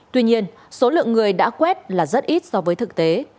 tuy nhiên số lượng người đã quét là rất ít so với thực tế